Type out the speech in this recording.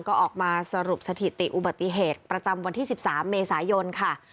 ก็ออกมาสรุปสถิติอุบัติเหตุประจำวันที่๑๓เมษายนค่ะ